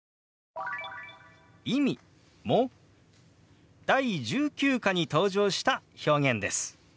「意味」も第１９課に登場した表現です。